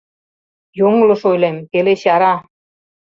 Йоҥылыш ойлем — пеле чара.